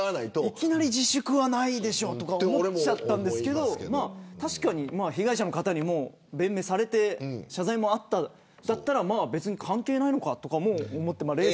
いきなり自粛はないでしょと思っちゃったんですけど被害者の方にも弁明されて謝罪もあったなら関係ないのかとも。